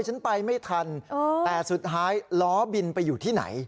ฉันไปไม่ทันแต่สุดท้ายล้อบินไปอยู่ที่ไหน